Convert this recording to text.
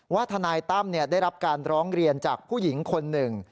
ทนายตั้มได้รับการร้องเรียนจากผู้หญิงคนหนึ่ง